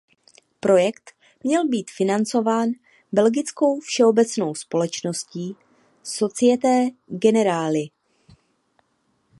Projekt měl být financován belgickou všeobecnou společností "Société générale".